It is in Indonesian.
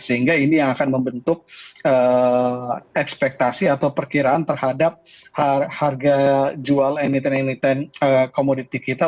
sehingga ini yang akan membentuk ekspektasi atau perkiraan terhadap harga jual emiten emiten komoditi kita